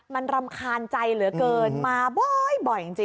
มันรำคาญใจเหลือเกินมาบ่อยจริง